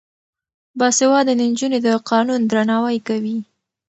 باسواده نجونې د قانون درناوی کوي.